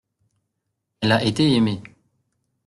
Elle a été aimée.